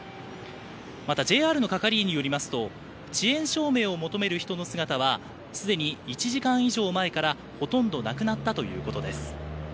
またＪＲの係員によりますと遅延証明を求める人の姿はすでに１時間以上前からほとんどなくなったということです。